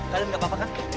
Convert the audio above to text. kalian gak apa apa kan